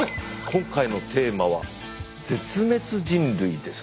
今回のテーマは絶滅人類ですね？